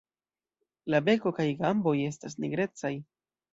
La beko kaj gamboj estas nigrecaj.